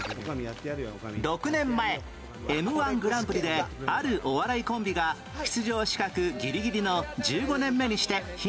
６年前 Ｍ−１ グランプリであるお笑いコンビが出場資格ギリギリの１５年目にして悲願の優勝